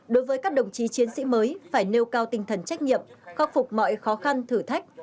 đối với các đồng chí chiến sĩ mới phải nêu cao tinh thần trách nhiệm khắc phục mọi khó khăn thử thách